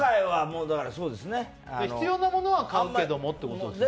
必要なものは買うけれどもということですよね。